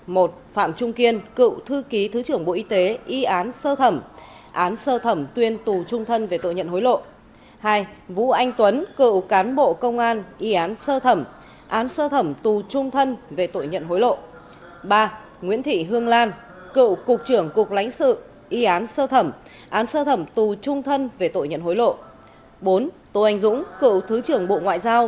năm đỗ hoàng tùng cựu phó cục trưởng cục lãnh sự một mươi năm tù án sơ thẩm một mươi hai năm tù về tội nhận hối lộ